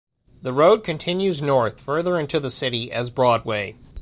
The road continues north, further into the city, as Broadway.